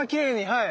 はい。